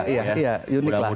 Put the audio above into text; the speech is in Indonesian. iya iya iya unik lah gitu